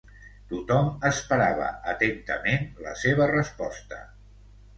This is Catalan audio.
Tothom esperava atentament la seva resposta.